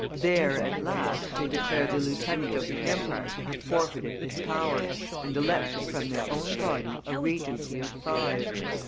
There, at last, they declared the Lieutenant of the Empire to have forfeited his power, and elected from their own body a Regency of five.